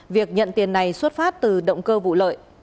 việc nhận tiền này xuất phát từ động cơ vụ lợi